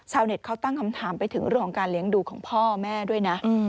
เน็ตเขาตั้งคำถามไปถึงเรื่องของการเลี้ยงดูของพ่อแม่ด้วยนะ